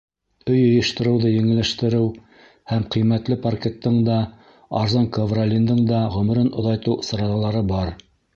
Өй йыйыштырыуҙы еңелләштереү һәм ҡиммәтле паркеттың да, арзан ковролиндың да ғүмерен оҙайтыу саралары бар.